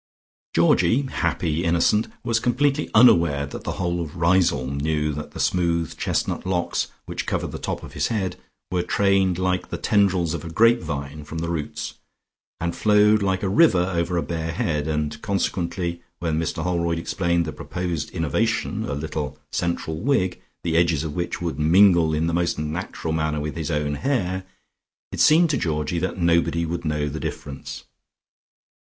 Georgie (happy innocent!) was completely unaware that the whole of Riseholme knew that the smooth chestnut locks which covered the top of his head, were trained like the tendrils of a grapevine from the roots, and flowed like a river over a bare head, and consequently when Mr Holroyd explained the proposed innovation, a little central wig, the edges of which would mingle in the most natural manner with his own hair, it seemed to Georgie that nobody would know the difference.